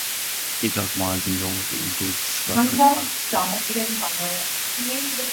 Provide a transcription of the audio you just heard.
It was merged into Struer Municipality.